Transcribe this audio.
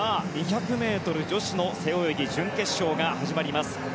２００ｍ女子の背泳ぎ準決勝が始まります。